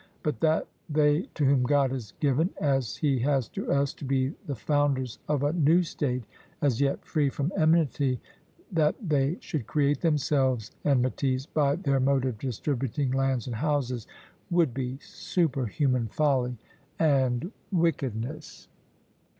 But that they to whom God has given, as He has to us, to be the founders of a new state as yet free from enmity that they should create themselves enmities by their mode of distributing lands and houses, would be superhuman folly and wickedness.